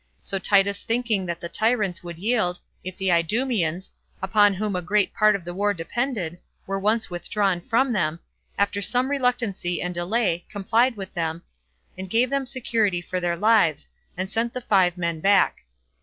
So Titus thinking that the tyrants would yield, if the Idumeans, upon whom a great part of the war depended, were once withdrawn from them, after some reluctancy and delay, complied with them, and gave them security for their lives, and sent the five men back.